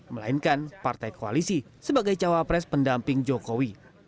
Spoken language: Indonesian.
melainkan partai koalisi sebagai cawapres pendamping joko widodo